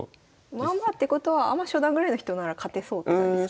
まあまあってことはアマ初段ぐらいの人なら勝てそうって感じですか？